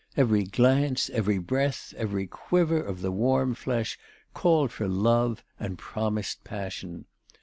Every glance, every breath, every quiver of the warm flesh called for love and promised passion.